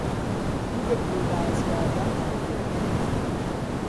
او به پول قرض کردن خو گرفته است.